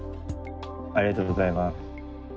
ありがとうございます。